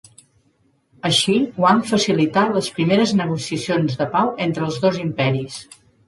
Així, Wang facilità les primeres negociacions de pau entre els dos imperis.